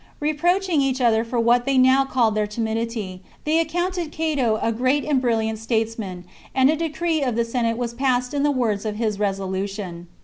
Reproaching each other for what they now called their timidity, they accounted Cato a great and brilliant statesman, and a decree of the Senate was passed in the words of his resolution.